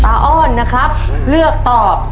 ช่าโอ้นนะครับถ้าเลือกตอบ